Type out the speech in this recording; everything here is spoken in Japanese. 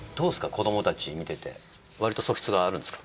子どもたち見ててわりと素質があるんですか？